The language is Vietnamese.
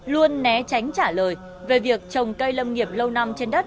luôn né tránh trả lời về việc trồng cây lâm nghiệp lâu năm trên đất